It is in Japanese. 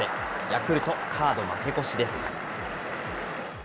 ヤクルト、カード負け越しです。